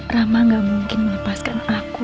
rama gak mungkin melepaskan aku